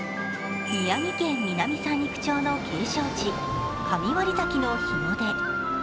宮城県南三陸町の景勝地神割崎の日の出。